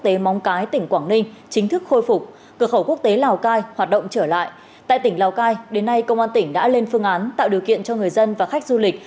tại tỉnh lào cai đến nay công an tỉnh đã lên phương án tạo điều kiện cho người dân và khách du lịch